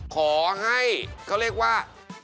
ขอให้เขาเรียกว่า